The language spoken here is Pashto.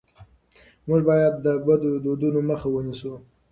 موږ باید د بدو دودونو مخه ونیسو.